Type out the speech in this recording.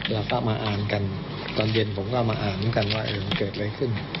เราก็มาอ่านกันตอนเย็นผมก็มาอ่านกันว่าเกิดอะไรขึ้น